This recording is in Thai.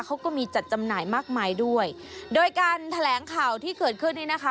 เขาก็มีจัดจำหน่ายมากมายด้วยโดยการแถลงข่าวที่เกิดขึ้นนี้นะคะ